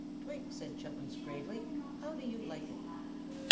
"Twink," said Chubbins, gravely, "how do you like it?"